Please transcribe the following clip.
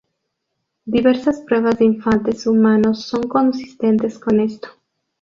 Diversas pruebas de infantes humanos son consistentes con esto.